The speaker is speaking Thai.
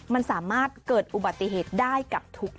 มันสามารถเกิดอุบัติเหตุได้กับทุกคน